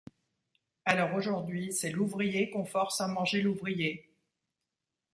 Alors, aujourd’hui, c’est l’ouvrier qu’on force à manger l’ouvrier!